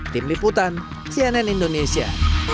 tim liputan cnn indonesia